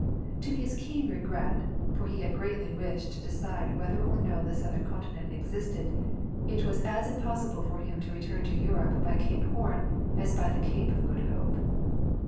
To his keen regret, for he had greatly wished to decide whether or no the southern continent existed, it was as impossible for him to return to Europe by Cape Horn as by the Cape of Good Hope.